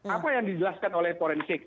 apa yang dijelaskan oleh forensik